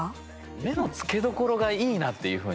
目の付けどころがいいなっていうふうに。